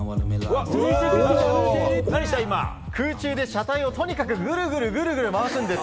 空中で車体をとにかくぐるぐるぐるぐる回すんです。